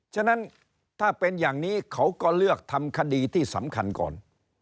ฉะนั้นถ้าเป็นอย่างนี้เขาก็เลือกทำคดีที่สำคัญก่อน